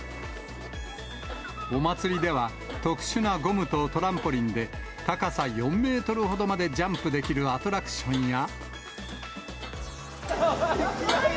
お祭りでは、特殊なゴムとトランポリンで、高さ４メートルほどまでジャンプできるアトラクションや。